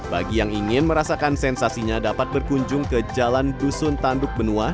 bagi yang ingin merasakan sensasinya dapat berkunjung ke jalan dusun tanduk benua